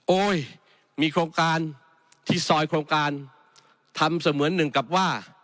โอ้ยมีโครงการที่ซอยโครงการทำเสมือนหนึ่งกับว่า